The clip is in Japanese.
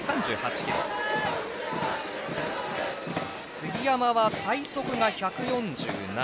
杉山は最速が１４７。